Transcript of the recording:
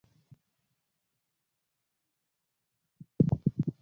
Chieng' otwoyo lewni tee